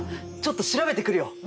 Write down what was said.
ちょっと調べてくるよ！